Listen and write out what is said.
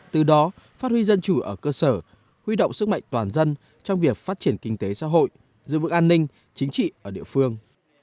từ đó phát huy dân chủ ở cơ sở huy động sức mạnh toàn dân trong việc phát triển kinh tế xã hội giữ vững an ninh chính trị ở địa phương